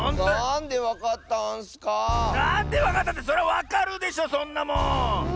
なんでわかったってそりゃわかるでしょそんなもん！